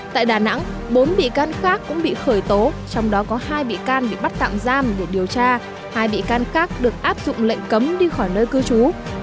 tại đà nẵng bốn bị can khác cũng bị khởi tố trong đó có hai bị can bị bắt tạm giam để điều tra hai bị can khác được áp dụng lệnh cấm đi khỏi nơi cư trú